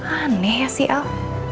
aneh ya si al